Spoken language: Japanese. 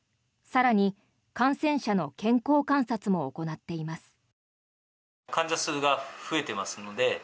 更に、感染者の健康観察も行っています。